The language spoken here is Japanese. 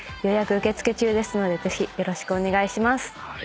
受け付け中ですのでぜひよろしくお願いします。